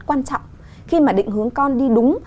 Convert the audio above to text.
quan trọng khi mà định hướng con đi đúng